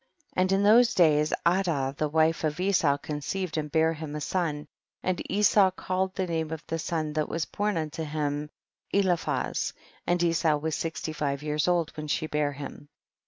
And in those days Adah the wife of Esau conceived and bare him a son, and Esau called the name of the son that was born unto him Eliphaz, and Esau was sixty five years old when she bare him.